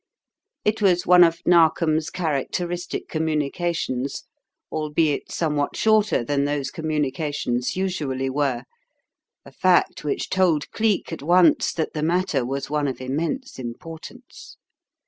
It was one of Narkom's characteristic communications, albeit somewhat shorter than those communications usually were a fact which told Cleek at once that the matter was one of immense importance.